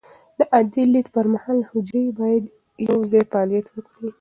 د عادي لید پر مهال، حجرې باید یوځای فعالیت وکړي.